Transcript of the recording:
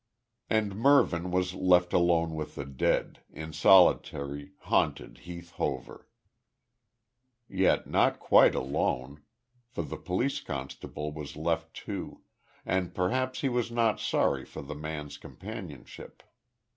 And Mervyn was left alone with the dead, in solitary, haunted Heath Hover yet not quite alone, for the police constable was left too; and perhaps he was not sorry for the man's companionship.